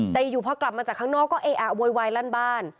แต่อยู่พอกลับมาจากข้างนอกก็เออะโวยวายลั่นบ้าน